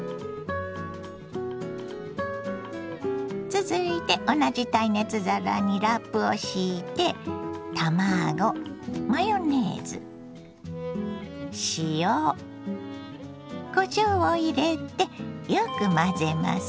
続いて同じ耐熱皿にラップを敷いて卵マヨネーズ塩こしょうを入れてよく混ぜます。